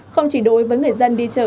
không chỉ đối với người dân đi chợ